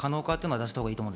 出したほうがいいと思う。